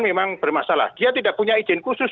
memang bermasalah dia tidak punya izin khusus